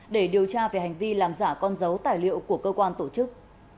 để điều tra về hành vi làm giả con dấu tài liệu của cơ quan tổ chức